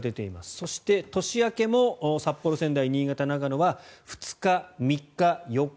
そして、年明けも札幌、仙台、新潟、長野は２日、３日、４日